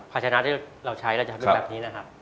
ผักชะนัดที่เราใช้เราจะทำแบบนี้นะครับ